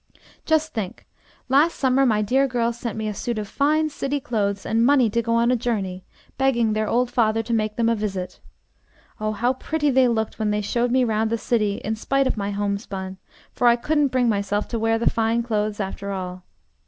"Just think, last summer my dear girls sent me a suit of fine city clothes and money to go a journey, begging their old father to make them a visit. Oh, how pretty they looked when they showed me round the city in spite of my homespun, for I couldn't bring myself to wear the fine clothes, after all.